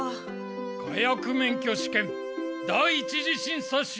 火薬免許試験第一次審査終了！